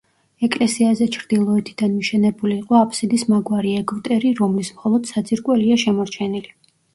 ეკლესიაზე ჩრდილოეთიდან მიშენებული იყო აფსიდის მაგვარი ეგვტერი, რომლის მხოლოდ საძირკველია შემორჩენილი.